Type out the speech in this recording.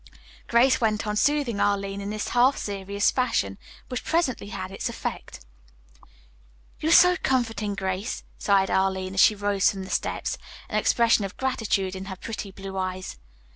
Grace went on soothing Arline in this half serious fashion, which presently had its effect. "You are so comforting, Grace," sighed Arline, as she rose from the steps, an expression of gratitude in her pretty blue eyes.